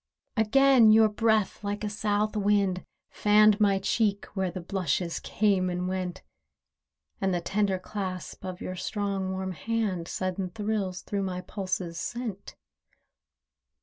Again your breath, like a South wind, fanned My cheek, where the blushes came and went; And the tender clasp of your strong, warm hand Sudden thrills through my pulses sent.